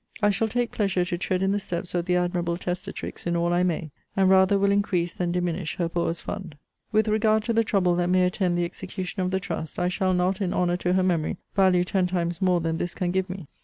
I shall take pleasure to tread in the steps of the admirable testatrix in all I may; and rather will increase than diminish her poor's fund. With regard to the trouble that may attend the execution of the trust, I shall not, in honour to her memory, value ten times more than this can give me.